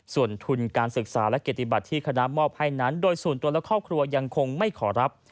ส่วนทุนการศึกษาและเกติบัติที่คณะมอบให้นั้นโดยส่วนตัวและครอบครัวยังคงไม่ขอรับ